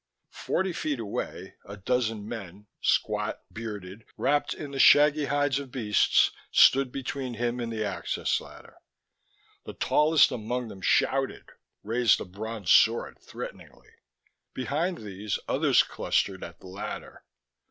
Forty feet away, a dozen men, squat, bearded, wrapped in the shaggy hides of beasts, stood between him and the access ladder. The tallest among them shouted, raised a bronze sword threateningly. Behind these, others clustered at the ladder.